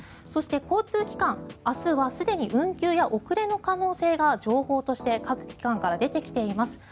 そして、交通機関明日はすでに運休や遅れの可能性が情報として各機関から出てきています。